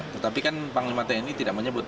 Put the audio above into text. tetapi kan panglima tni tidak menyebut